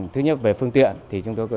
thứ nhất về phương tiện thì chúng tôi